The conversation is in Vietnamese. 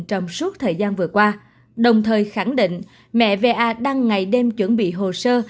trong suốt thời gian vừa qua đồng thời khẳng định mẹ va đang ngày đêm chuẩn bị hồ sơ